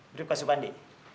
drip kasih bandi